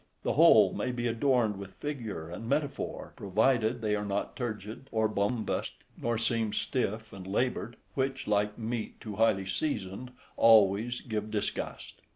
The whole may be adorned with figure and metaphor, provided they are not turgid or bombast, nor seem stiff and laboured, which, like meat too highly seasoned, always give disgust.